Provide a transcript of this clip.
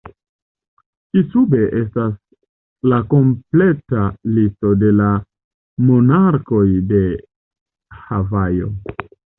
Ĉi-sube estas la kompleta listo de la monarkoj de Havajo.